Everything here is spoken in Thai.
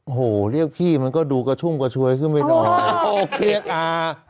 โอ้โหเรียกพี่มันก็ดูกระชุ่มกระชวยขึ้นไปหน่อยเรียกอา